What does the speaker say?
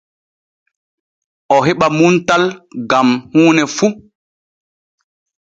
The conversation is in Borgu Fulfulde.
O heɓa muntal gam huune fu.